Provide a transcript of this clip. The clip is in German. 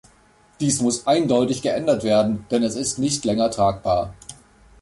Dies muss eindeutig geändert werden, denn es ist nicht länger tragbar.